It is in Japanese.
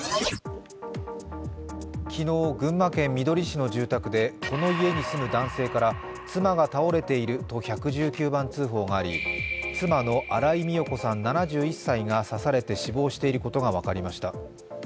昨日、群馬県みどり市の住宅で、この家に住む男性から妻が倒れていると１１９番通報があ、妻の新井美代子さん７１歳が刺されて死亡していることが分かりました。